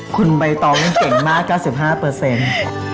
คุณใบตองนี่เก่งมาก๙๕เปอร์เซ็นต์